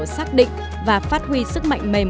xác định và phát huy sức mạnh mềm